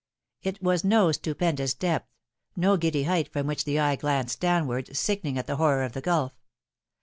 It was no stupendous depth, no giddy height from which the eye glanced downward, sickening at the horror of the gulf.